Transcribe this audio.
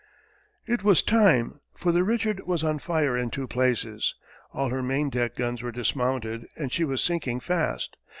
It was time, for the Richard was on fire in two places, all her main deck guns were dismounted, and she was sinking fast.